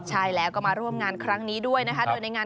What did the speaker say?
ใช่แล้วก็มาร่วมงานครั้งนี้ด้วยนะคะ